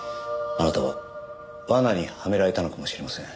あなたは罠にはめられたのかもしれません。